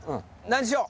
何しよう？